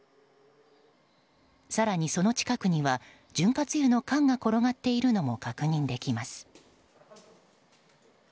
更に、その近くには潤滑油の缶が転がっているのも確認できます。